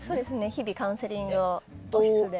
日々、カウンセリングを個室で。